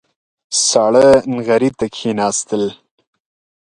ساړه نغري ته کېناستل.